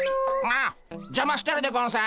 ああじゃましてるでゴンス。